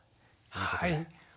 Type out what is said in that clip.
はい。